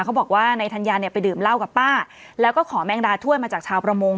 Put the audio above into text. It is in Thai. เขาบอกว่านายธัญญาเนี่ยไปดื่มเหล้ากับป้าแล้วก็ขอแมงดาถ้วยมาจากชาวประมง